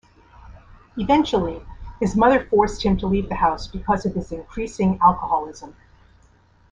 Eventually his mother forced him to leave the house because of his increasing alcoholism.